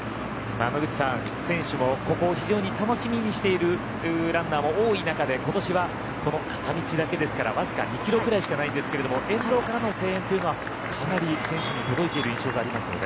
野口さん、選手もここ、非常に楽しみにしているランナーも多い中で今年はこの片道だけですからわずか２キロぐらいしかないんですけど沿道からの声援というのはかなり選手に届いている印象がありますよね。